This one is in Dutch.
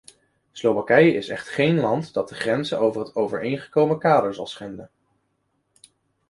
Slowakije is echt geen land dat de grenzen van het overeengekomen kader zal schenden.